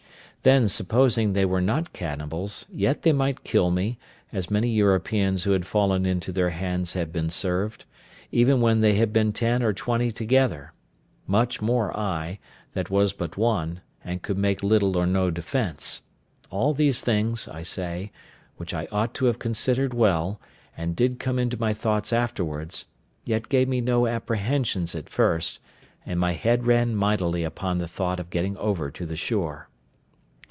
Then, supposing they were not cannibals, yet they might kill me, as many Europeans who had fallen into their hands had been served, even when they had been ten or twenty together—much more I, that was but one, and could make little or no defence; all these things, I say, which I ought to have considered well; and did come into my thoughts afterwards, yet gave me no apprehensions at first, and my head ran mightily upon the thought of getting over to the shore.